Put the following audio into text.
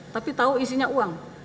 tapi tahu isinya uang